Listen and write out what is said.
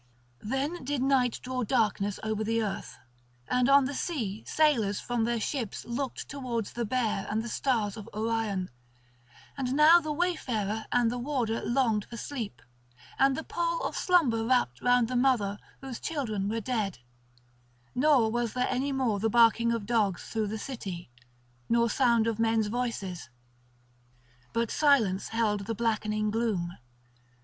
Then did night draw darkness over the earth; and on the sea sailors from their ships looked towards the Bear and the stars of Orion; and now the wayfarer and the warder longed for sleep, and the pall of slumber wrapped round the mother whose children were dead; nor was there any more the barking of dogs through the city, nor sound of men's voices; but silence held the blackening gloom.